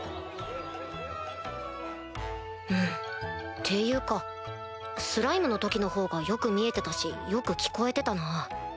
うんっていうかスライムの時のほうがよく見えてたしよく聞こえてたな。